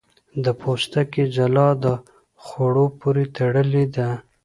د پوستکي ځلا د خوړو پورې تړلې ده.